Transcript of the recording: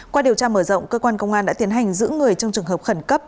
qua điều tra mở rộng cơ quan công an đã tiến hành giữ người trong trường hợp khẩn cấp